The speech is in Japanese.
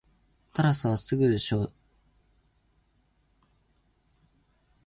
タラスはすぐ承知しました。そこで二人は自分たちの持ち物を分けて二人とも王様になり、お金持になりました。